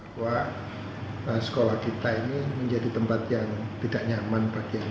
bahwa sekolah kita ini menjadi tempat yang tidak nyaman